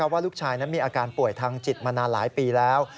ว่าลูกชายนั้นมีอาการป่วยทางจิตมานานหลายปีแล้ว